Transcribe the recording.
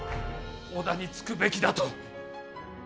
織田につくべきだと。